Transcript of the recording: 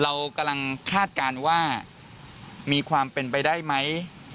เรากำลังคาดการณ์ว่ามีความเป็นไปได้ไหม